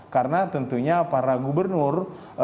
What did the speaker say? karena tentunya para gubernur